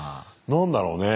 何だろうね？